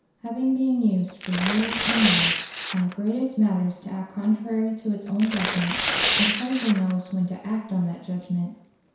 Having been used for years and years, on the greatest matters to act contrary to its own judgment, it hardly knows when to act on that judgment.